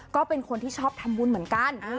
ก็เป็นคนที่ชอบทำบุญเหมือนกัน